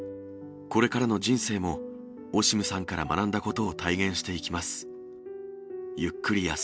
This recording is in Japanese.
これからの人生も、オシムさんから学んだことを体現していきます。